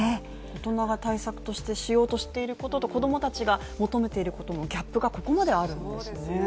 大人が対策として、しようとしていることと、子供たちが求めていることのギャップがここまであるんですね。